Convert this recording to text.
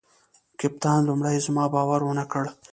کپتان لومړي زما باور ونه کړ.